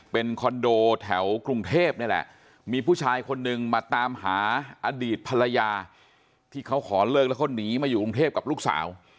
เป็นคอนโดแถวกรุงเทพนี่แหละมีผู้ชายคนนึงมาตามหาอดีตภรรยาที่เขาขอเลิกแล้วเขาหนีมาอยู่กรุงเทพกับลูกสาว